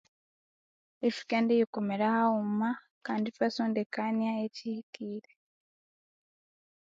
Etbukendiyikumira haghuma kandi ithwasondekania ekihikire